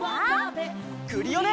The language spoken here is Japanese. クリオネ！